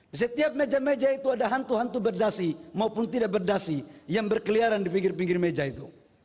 di setiap meja meja itu ada hantu hantu berdasi maupun tidak berdasi yang berkeliaran di pinggir pinggir meja itu